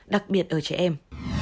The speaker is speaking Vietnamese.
đặc biệt ở trẻ em